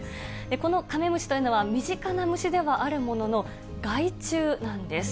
このカメムシというのは、身近な虫ではあるものの、害虫なんです。